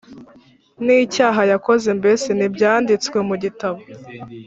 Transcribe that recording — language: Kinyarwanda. n’icyaha yakoze mbese ntibyanditswe mu gitabo